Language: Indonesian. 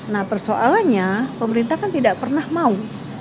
nah persoalannya pemerintah kan tidak pernah mau